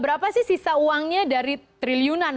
berapa sih sisa uangnya dari triliunan